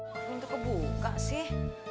kenapa ini tuh kebuka sih